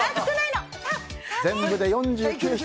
全部で４９匹。